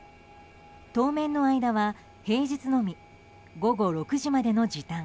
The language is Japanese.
当面の間は平日のみ午後６時までの時短。